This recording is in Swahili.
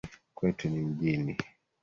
Kwetu ni mjini.